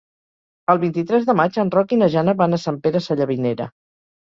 El vint-i-tres de maig en Roc i na Jana van a Sant Pere Sallavinera.